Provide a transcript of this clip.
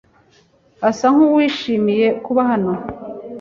Asa nkuwishimiye kuba hano.